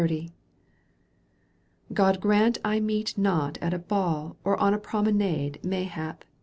God grant I meet not at a ball Or at a promenade mayhap.